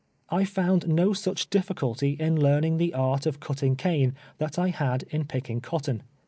I f )und no such dithculty in learning the art of cutting cane that I had in picking cotton.